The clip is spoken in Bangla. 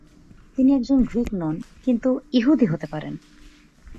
তিনি একজন গ্রীক নন কিন্তু ইহুদি হতে পারেন।